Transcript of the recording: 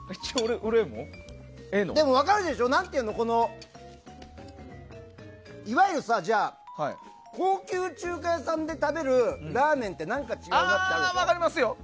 分かるでしょ、何て言うのいわゆる高級中華屋さんで食べるラーメンって分かりますよ。